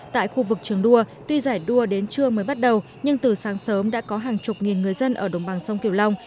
tại khu vực trường đua tuy giải đua đến trưa mới bắt đầu nhưng từ sáng sớm đã có hàng chục nghìn người dân ở đồng bằng sông kiều long